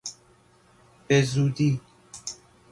بزودی